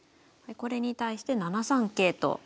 これに対して７三桂と。